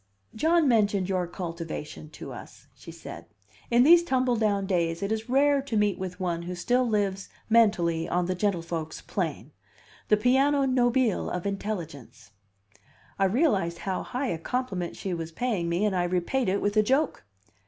"John mentioned your cultivation to us," she said. "In these tumble down days it is rare to meet with one who still lives, mentally, on the gentlefolks' plane the piano nobile of intelligence!" I realized how high a compliment she was paying me, and I repaid it with a joke.